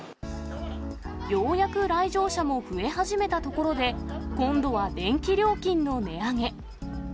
ようやく来場者も増え始めたところで、今度は電気料金の値上げ。